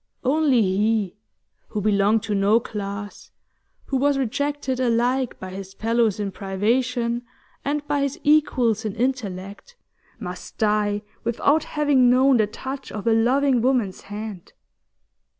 Only he who belonged to no class, who was rejected alike by his fellows in privation and by his equals in intellect, must die without having known the touch of a loving woman's hand.